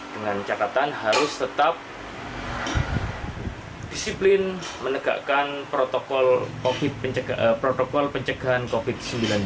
dengan catatan harus tetap disiplin menegakkan protokol pencegahan covid sembilan belas